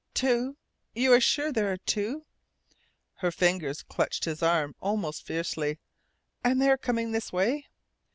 "Two? You are sure there are two?" Her fingers clutched his arm almost fiercely. "And they are coming this way?"